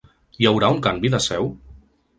Hi haurà un canvi de seu?